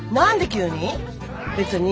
急に。